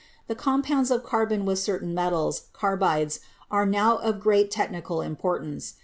The compounds of carbon with certain metals — carbides — are now of great technical importance.